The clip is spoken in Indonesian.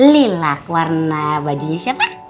lilak warna bajunya siapa